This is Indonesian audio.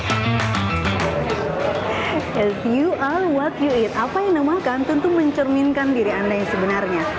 as you are what you eat apa yang dimakan tentu mencerminkan diri anda yang sebenarnya